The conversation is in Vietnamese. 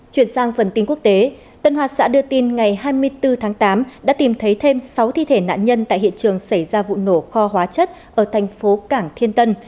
chuyển sang phần tin quốc tế tân hoa xã đưa tin ngày hai mươi bốn tháng tám đã tìm thấy thêm sáu thi thể nạn nhân tại hiện trường xảy ra vụ nổ kho hóa chất ở thành phố cảng thiên tân